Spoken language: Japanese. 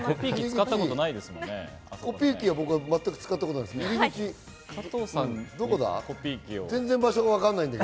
コピー機、僕は全く使ったことないです。